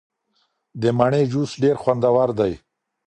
د مڼې جوس ډیر خوندور دی.